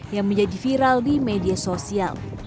yang menjadi viral di media sosial